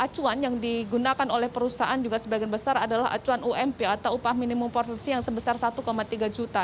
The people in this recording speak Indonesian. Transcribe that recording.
acuan yang digunakan oleh perusahaan juga sebagian besar adalah acuan ump atau upah minimum produksi yang sebesar satu tiga juta